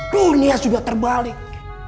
dunia sudah terbalik